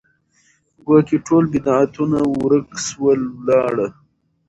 ګواکي ټول بد عادتونه ورک سول ولاړه